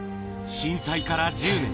震災から１０年。